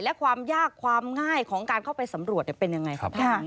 และความยากความง่ายของการเข้าไปสำรวจเป็นยังไงครับ